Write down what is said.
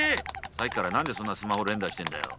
さっきから何でそんなスマホ連打してんだよ？